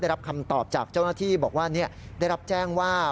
รับคำตอบจากเจ้าหน้าที่บอกว่าได้รับแจ้งว่า